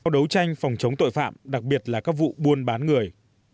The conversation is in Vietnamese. đấu tranh phòng chống tội phạm đặc biệt là các vụ buôn bán người